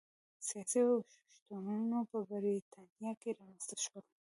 سیاسي اوښتونونه په برېټانیا کې رامنځته شول.